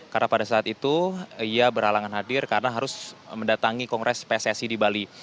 karena pada saat itu ia beralangan hadir karena harus mendatangi kongres pssi di bali